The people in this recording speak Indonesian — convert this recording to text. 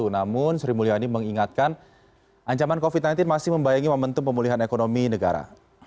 namun sri mulyani mengingatkan ancaman covid sembilan belas masih membayangi momentum pemulihan ekonomi negara